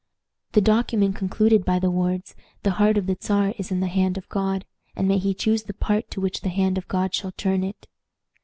The document concluded by the words, "The heart of the Czar is in the hand of God, and may he choose the part to which the hand of God shall turn it."